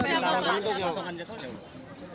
yang misalnya mengosongkan jadwal